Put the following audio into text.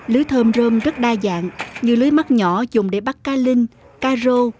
lưới thơm rơm rất đa dạng như lưới mắt nhỏ dùng để bắt cá linh ca rô